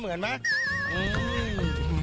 เหมือนไหม